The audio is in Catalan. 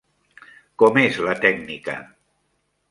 Com és la tècnica?